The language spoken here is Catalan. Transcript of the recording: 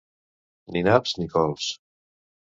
Ni naps ni cols.